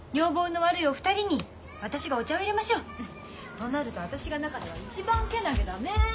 となると私が中では一番けなげだね。